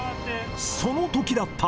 そのときだった。